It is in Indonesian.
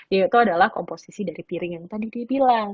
yaitu adalah komposisi dari piring yang tadi dia bilang